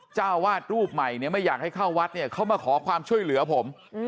เจ้าวาดรูปใหม่เนี่ยไม่อยากให้เข้าวัดเนี่ยเขามาขอความช่วยเหลือผม